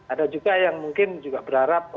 ada juga yang mungkin juga berharap